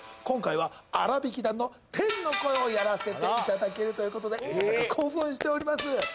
今回は「あらびき団」の天の声をやらせていただけるということでいささか興奮しております